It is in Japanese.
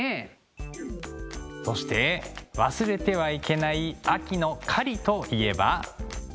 そして忘れてはいけない秋の狩りといえば。